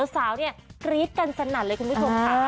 สาวเนี่ยกรี๊ดกันสนั่นเลยคุณผู้ชมค่ะ